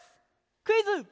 クイズ！